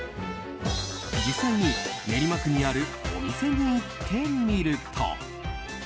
実際に、練馬区にあるお店に行ってみると。